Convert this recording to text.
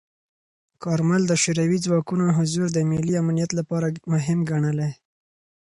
کارمل د شوروي ځواکونو حضور د ملي امنیت لپاره مهم ګڼلی.